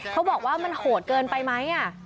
เขาบอกว่ามันโหดเกินไปไหม